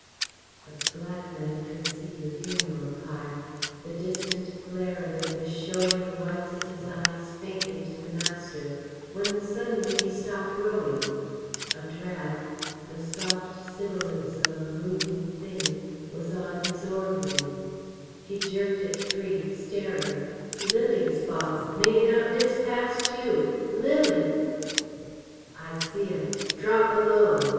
But the black man could see the funeral pyre; the distant glare of it was showing the whites of his eyes faintly to the master, when suddenly he stopped rowing. A drag, the soft sibilance of a moving thing, was on his oar blade. He jerked it free, staring. "Lilies, boss makin' out dis pass, too, lilies " "I see 'em drop below 'em!"